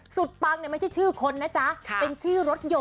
สุดปังเนี่ยไม่ใช่ชื่อคนนะจ๊ะเป็นชื่อรถยนต์ค่ะ